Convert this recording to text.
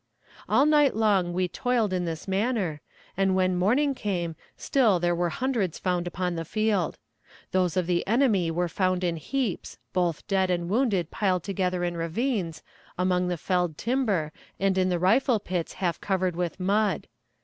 All night long we toiled in this manner, and when morning came still there were hundreds found upon the field. Those of the enemy were found in heaps, both dead and wounded piled together in ravines, among the felled timber, and in rifle pits half covered with mud.